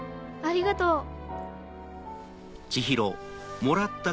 ありがとう。